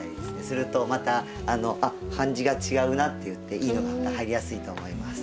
するとまたあっ感じが違うなっていっていいのがまた入りやすいと思います。